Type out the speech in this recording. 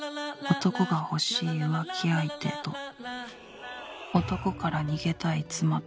男が欲しい浮気相手と男から逃げたい妻。